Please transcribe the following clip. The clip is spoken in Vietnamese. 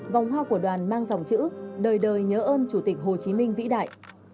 vòng hoa của đoàn mang dòng chữ đời đời nhớ ơn chủ tịch hồ chí minh vĩ đại